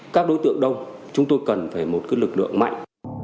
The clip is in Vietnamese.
các đối tượng đông chúng tôi cần phải một lực lượng mạnh